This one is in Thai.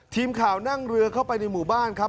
ทีมข่าวนั่งเรือเข้าไปในหมู่บ้านครับ